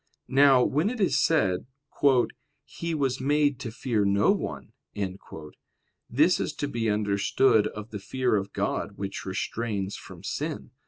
Now when it is said, "He was made to fear no one," this is to be understood of the fear of God which restrains from sin.